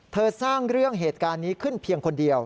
สร้างเรื่องเหตุการณ์นี้ขึ้นเพียงคนเดียว